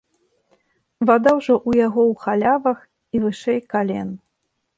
Вада ўжо ў яго ў халявах і вышэй кален.